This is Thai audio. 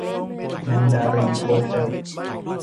แมนดารินโฮเต็ล